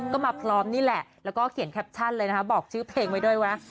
ก็มาพร้อมนี่แหละแล้วก็เขียนแคปชั่นเลยนะคะบอกชื่อเพลงไว้ด้วยนะ